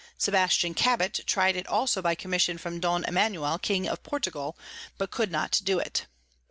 Sebastian Cabot try'd it also by Commission from Don Emanuel King of Portugal, but could not do it.